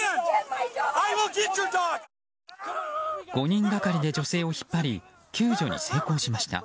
５人がかりで女性を引っ張り救助に成功しました。